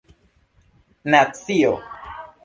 nacio